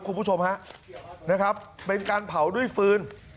คุณผู้ชมฮะนะครับเป็นการเผาด้วยฟืน